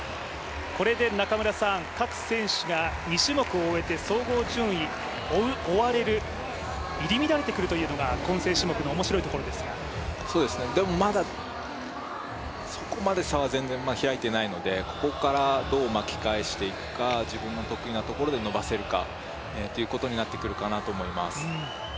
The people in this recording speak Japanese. これで各選手が２種目を終えて総合順位、追う追われる、入り乱れてくるというのがでも、まだそこまで差は全然開いていないので、ここからどう巻き返していくか自分の得意なところで伸ばせるかということになってくるかなと思います。